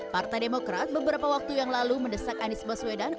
partai demokrat beberapa waktu yang lalu mendesak anies baswedan